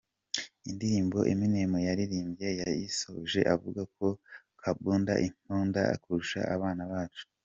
Indirimbo Eminem yaririmbye yayisoje avuga ko "bakunda imbunda kurusha abana bacu.